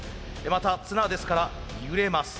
また綱ですから揺れます。